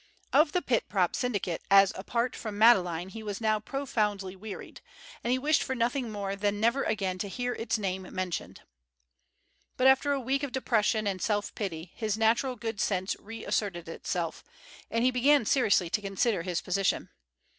Of the Pit Prop Syndicate as apart from Madeleine he was now profoundly wearied, and he wished for nothing more than never again to hear its name mentioned. But after a week of depression and self pity his natural good sense reasserted itself, and he began seriously to consider his position.